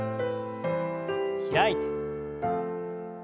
開いて。